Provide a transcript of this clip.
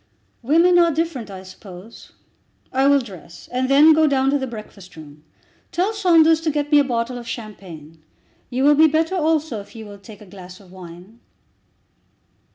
"Women are different, I suppose. I will dress and then go down to the breakfast room. Tell Saunders to get me a bottle of champagne. You will be better also if you will take a glass of wine."